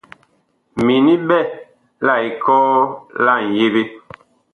Mini ɓɛ la ekɔɔ la ŋyeɓe.